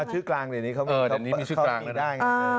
ชื่อกลางเดี๋ยวนี้เขามีได้